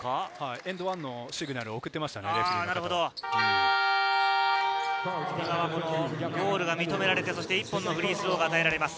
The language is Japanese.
エンドワンのシグナルをゴールが認められて１本のフリースローが与えられます。